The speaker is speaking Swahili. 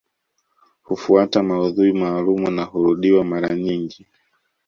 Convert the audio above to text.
Hufuata maudhui maalumu na hurudiwa mara nyingi